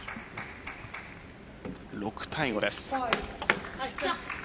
６対５です。